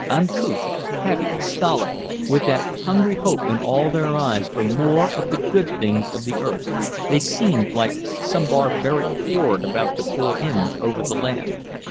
Uncouth, heavy, stolid, with that hungry hope in all their eyes for more of the good things of the earth, they seemed like some barbaric horde about to pour in over the land.